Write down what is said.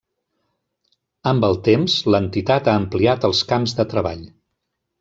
Amb el temps, l'entitat ha ampliat els camps de treball.